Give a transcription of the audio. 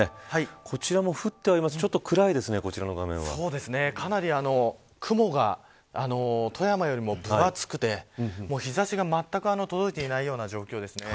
こちらも降っていますがかなり雲が富山よりも分厚くて日差しがまったく届いていないような状況です。